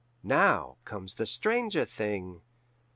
"Now comes the stranger thing.